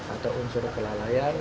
atau unsur kelalaian